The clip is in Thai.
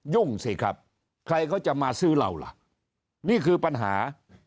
สิครับใครเขาจะมาซื้อเราล่ะนี่คือปัญหา